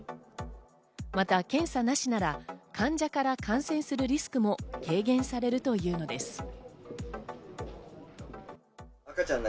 また検査なしなら患者から感染するリスクも軽減されるというのです。